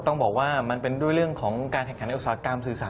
ต้องบอกว่ามันเป็นด้วยเรื่องของการแข่งขันในอุตสาหกรรมสื่อสาร